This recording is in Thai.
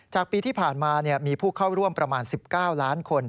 จากปีที่ผ่านมามีผู้เข้าร่วมประมาณ๑๙ล้านคน